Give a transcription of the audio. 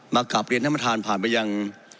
มากราบเรียนธรรมธารผ่านไปยัง